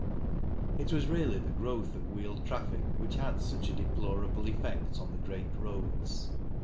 It was really the growth of wheeled traffic which had such a deplorable effect on the great roads.